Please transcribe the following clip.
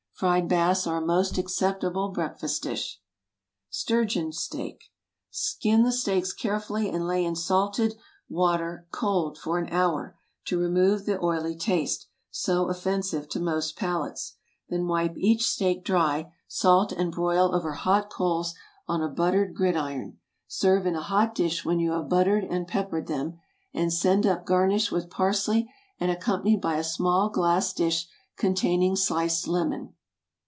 Fried bass are a most acceptable breakfast dish. STURGEON STEAK. Skin the steaks carefully and lay in salted water (cold) for an hour, to remove the oily taste, so offensive to most palates. Then wipe each steak dry, salt, and broil over hot coals on a buttered gridiron. Serve in a hot dish when you have buttered and peppered them, and send up garnished with parsley and accompanied by a small glass dish containing sliced lemon.